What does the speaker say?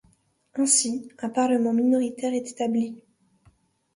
Ainsi, un parlement minoritaire est établi.